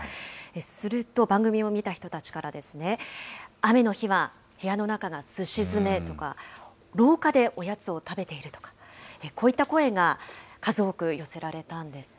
すると、番組を見た人たちから、雨の日は部屋の中がすし詰めとか、廊下でおやつを食べているとか、こういった声が数多く寄せられたんですね。